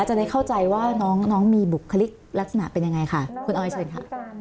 จะได้เข้าใจว่าน้องมีบุคลิกลักษณะเป็นยังไงค่ะคุณออยเชิญค่ะ